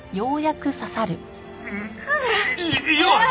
よし！